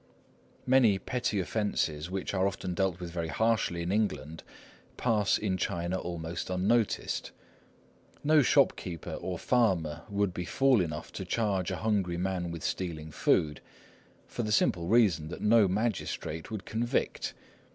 Many petty offences which are often dealt with very harshly in England, pass in China almost unnoticed. No shopkeeper or farmer would be fool enough to charge a hungry man with stealing food, for the simple reason that no magistrate would convict.